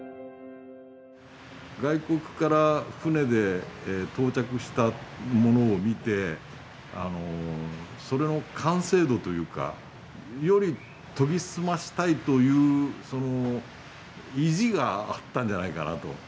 外国から船で到着したものを見てそれの完成度というかより研ぎ澄ませたいという意地があったんじゃないかなと。